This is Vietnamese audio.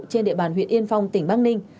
trên địa bàn huyện yên phong tỉnh bắc ninh